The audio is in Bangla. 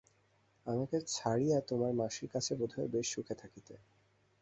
আমাকে ছাড়িয়া তোমার মাসির কাছে বোধ হয় বেশ সুখে থাকিতে।